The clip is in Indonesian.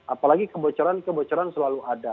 apalagi kebocoran kebocoran selalu ada